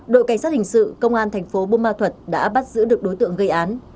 đội cảnh sát hình sự công an thành phố bumma thuật đã bắt giữ được đối tượng gây án